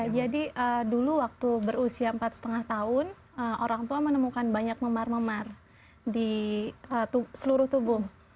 karena dulu waktu berusia empat lima tahun orang tua menemukan banyak memar memar di seluruh tubuh